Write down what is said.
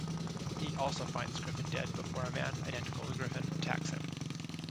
He also finds Griffin dead, before a man, identical to Griffin, attacks him.